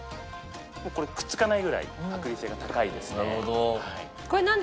これくっつかないぐらい剥離性が高いですね。